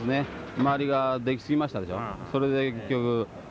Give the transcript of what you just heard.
周りができすぎましたでしょ。